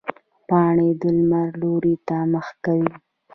پاڼې د لمر لوري ته مخ کوي